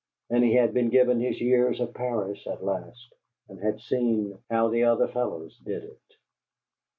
And he had been given his years of Paris at last: and had seen "how the other fellows did it."